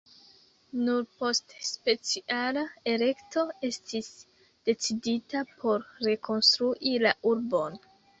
Nur post speciala elekto estis decidita por rekonstrui la urbon.